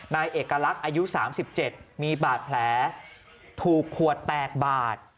นายเอกลักษณ์อายุ๓๗มีบาดแผลถูกขวดแตกบาด